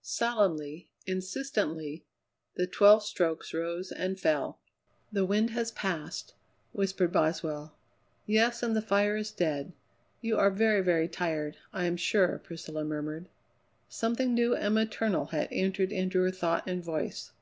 Solemnly, insistently, the twelve strokes rose and fell. "The wind has passed," whispered Boswell. "Yes, and the fire is dead. You are very, very tired, I am sure," Priscilla murmured. Something new and maternal had entered into her thought and voice.